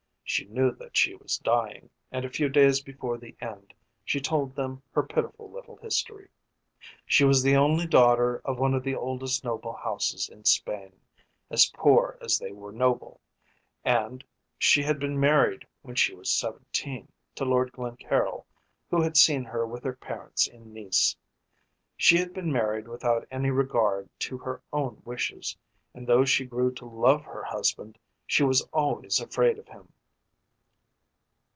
She knew that she was dying, and a few days before the end she told them her pitiful little history. She was the only daughter of one of the oldest noble houses in Spain, as poor as they were noble, and she had been married when she was seventeen to Lord Glencaryll, who had seen her with her parents in Nice. She had been married without any regard to her own wishes, and though she grew to love her husband she was always afraid of him.